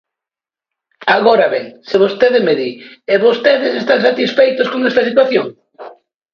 Agora ben, se vostede me di: ¿e vostedes están satisfeitos con esta situación?